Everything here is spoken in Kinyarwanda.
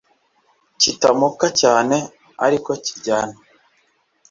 Kitamoka cyane ariko kiryana